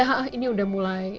iya ini udah mulai